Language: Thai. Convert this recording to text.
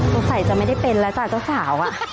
สงสัยจะไม่ได้เป็นแล้วจ้ะเจ้าสาว